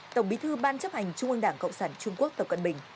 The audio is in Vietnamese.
tổng bí thư ban chấp hành trung ương đảng cộng sản trung quốc tập cận bình